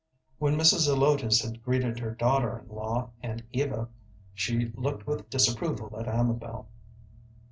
When Mrs. Zelotes had greeted her daughter in law and Eva, she looked with disapproval at Amabel.